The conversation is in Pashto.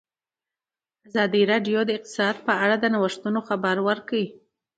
ازادي راډیو د اقتصاد په اړه د نوښتونو خبر ورکړی.